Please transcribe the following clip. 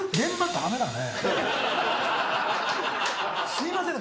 すいませんね